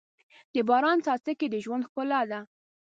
د باران څاڅکي د ژوند ښکلا ده.